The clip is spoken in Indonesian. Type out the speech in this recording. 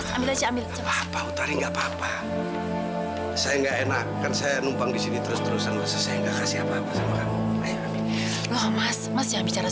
sampai jumpa di video selanjutnya